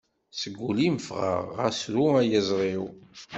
Seg ul-im fɣeɣ, xas ru ay iẓri-w.